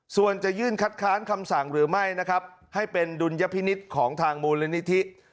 ส่วนจะยื่นคัดค้านคำสั่งหรือไม่นะครับให้เป็นดุลยพินิษฐ์ของทางมูลนิธิ